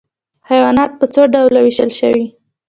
حیوانات په څو ډلو ویشل شوي؟